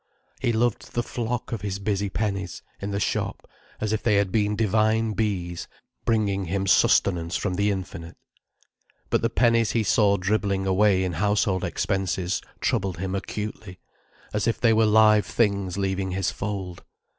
He loved the flock of his busy pennies, in the shop, as if they had been divine bees bringing him sustenance from the infinite. But the pennies he saw dribbling away in household expenses troubled him acutely, as if they were live things leaving his fold.